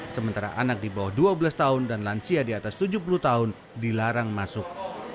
sementara anak di bawah dua belas tahun dan lansia di atas tujuh puluh tahun dilarang masuk